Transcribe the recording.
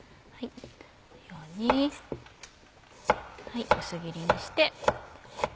このように薄切りにして。